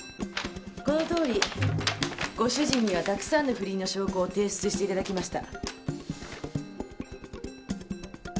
このとおりご主人にはたくさんの不倫の証拠を提出していただきました。